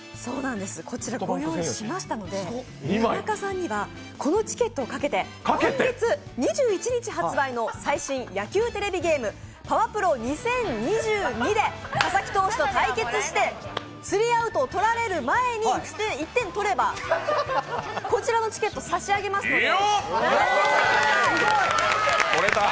こちらご用意しましたので田中さんには、このチケットをかけて今月２１日発売の最新野球テレビゲーム、「パワプロ２０２２」で、佐々木投手と対決してスリーアウトを取られる前に１点とれば、こちらのチケットを差し上げますので。